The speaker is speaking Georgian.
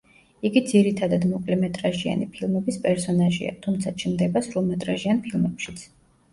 იგი ძირითადად მოკლემეტრაჟიანი ფილმების პერსონაჟია, თუმცა ჩნდება სრულმეტრაჟიან ფილმებშიც.